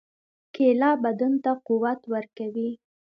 کېله بدن ته قوت ورکوي.